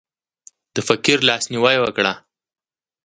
د فقیر لاس نیوی وکړه.